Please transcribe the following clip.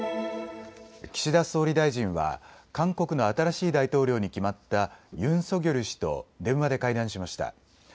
岸田総理大臣は韓国の新しい大統領に決まったユン・ソギョル氏と電話で会談しました。